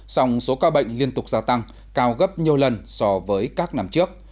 song số ca bệnh liên tục gia tăng cao gấp nhiều lần so với các năm trước